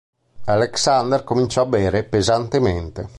Alexander cominciò a bere pesantemente.